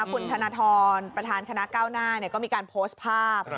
คุณธนทรประธานชนะก้าวหน้าก็มีการโพสต์ภาพ